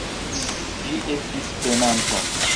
Ĝi estis penanta.